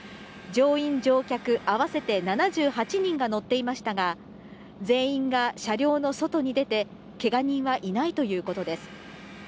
乗員・乗客合わせて７８人が乗っていましたが、全員が車両の外に出て、けが人はいないということです。